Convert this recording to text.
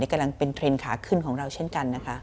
กำลังเป็นเทรนด์ขาขึ้นของเราเช่นกันนะคะ